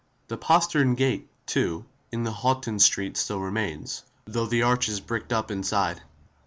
The postern gate, too, in Houghton Street still remains, though the arch is bricked up inside.